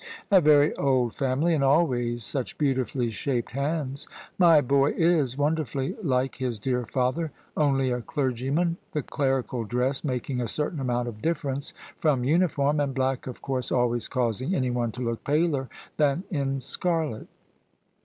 A very old family, and always such beautifully shaped hands. My boy is wonderfully like his dear father, only a clergyman, the clerical dress making a certain amount of difference from uniform, and black of course always causing anyone to look paler than in scarlet."